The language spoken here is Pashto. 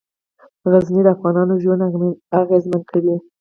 غزني د افغانانو ژوند اغېزمن کوي.